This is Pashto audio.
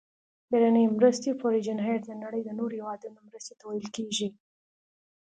بهرنۍ مرستې Foreign Aid د نړۍ د نورو هیوادونو مرستې ته ویل کیږي.